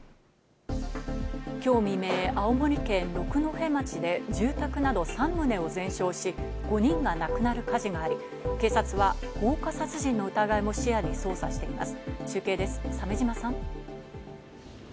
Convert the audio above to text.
きょう未明、青森県六戸町で住宅など３棟を全焼し、５人が亡くなる火事があり、警察は放火殺人の疑いも視野に捜査しています。